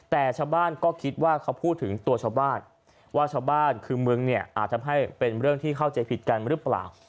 แต่ชาวบ้านก็คิดว่าเขาพูดถึงตัวชาวบ้านว่าชาวบ้านคือมึงเนี่ยอาจทำให้เป็นเรื่องที่เข้าใจผิดกันหรือเปล่า